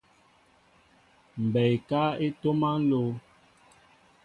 Mɓɛɛ ekáá e ntoma nló.